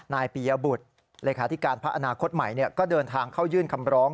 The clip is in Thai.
นายปียบุตรเลขาธิการพักอนาคตใหม่ก็เดินทางเข้ายื่นคำร้อง